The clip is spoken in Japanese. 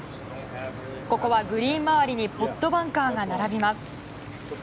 ここはグリーン周りにポットバンカーが並びます。